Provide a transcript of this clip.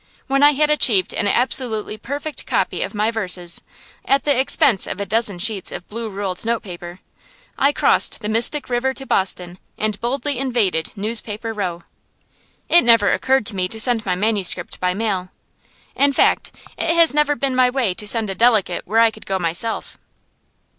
When I had achieved an absolutely perfect copy of my verses, at the expense of a dozen sheets of blue ruled note paper, I crossed the Mystic River to Boston and boldly invaded Newspaper Row. It never occurred to me to send my manuscript by mail. In fact, it has never been my way to send a delegate where I could go myself.